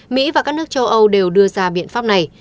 mỹ và các nước châu âu đều đưa ra biện pháp này